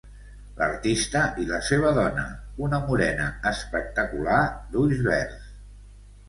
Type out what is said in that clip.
L'artista i la seva dona, una morena espectacular d'ulls verds.